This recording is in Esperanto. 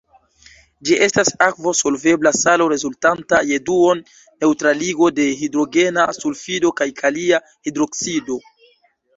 Ĝi estas akvo-solvebla salo rezultanta je duon-neŭtraligo de hidrogena sulfido kaj kalia hidroksido.